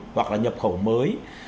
hoặc là nhập khẩu mới